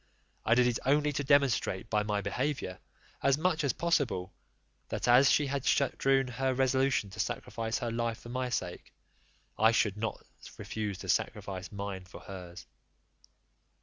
I did it only to demonstrate by my behaviour, as much as possible, that as she had strewn her resolution to sacrifice her life for my sake, I would not refuse to sacrifice mine for hers.